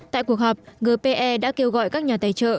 tại cuộc họp gpe đã kêu gọi các nhà tài trợ